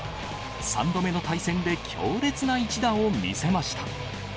３度目の対戦で強烈な一打を見せました。